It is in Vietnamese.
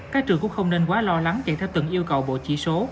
các trường cũng không nên quá lo lắng chạy theo từng yêu cầu bộ chỉ số